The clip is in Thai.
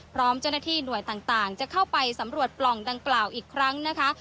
พร้อมเจ้าหน้าที่หน่วยต่างจะเข้าไปสำรวจปล่องดังกล่าวอีกครั้งนะคะ